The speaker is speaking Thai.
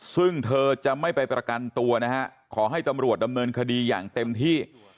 ซึ่งเธอจะไม่ไปประกันตัวนะฮะขอให้ตำรวจดำเนินคดีอย่างเต็มที่